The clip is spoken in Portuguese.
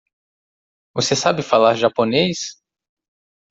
Você sabe falar japonês?